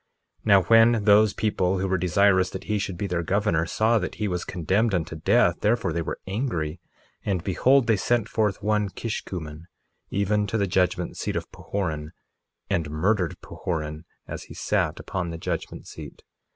1:9 Now when those people who were desirous that he should be their governor saw that he was condemned unto death, therefore they were angry, and behold, they sent forth one Kishkumen, even to the judgment seat of Pahoran, and murdered Pahoran as he sat upon the judgment seat.